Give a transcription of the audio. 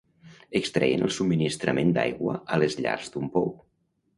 Extreien el subministrament d'aigua a les llars d'un pou.